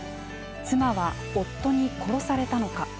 妻は夫に殺されたのか。